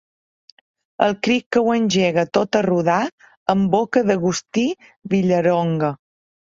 El crit que ho engega tot a rodar, en boca d'Agustí Villaronga.